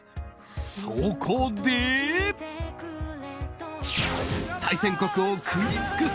そこで、対戦国を食い尽くせ！